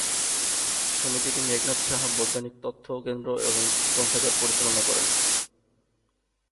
সমিতিটি মেঘনাদ সাহা বৈজ্ঞানিক তথ্য কেন্দ্র এবং গ্রন্থাগার পরিচালনা করে।